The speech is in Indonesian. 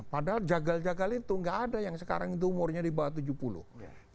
padahal jagal jagal itu nggak ada yang sekarang itu umurnya di bawah tujuh puluh